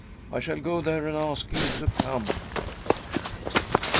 I shall go there and ask him to come."